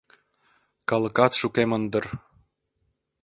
Калыкат шукемын дыр.